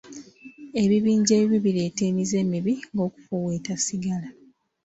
Ebibinja ebibi bireeta emize emibi nga okufuweeta sigala.